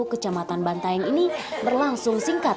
kecamatan bantaeng ini berlangsung singkat